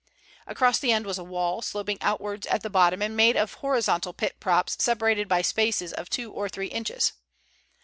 Across the end was a wall, sloping outwards at the bottom and made of horizontal pit props separated by spaces of two or three inches.